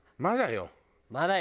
まだよ。